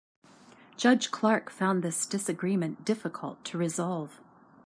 Judge Clark found this disagreement difficult to resolve.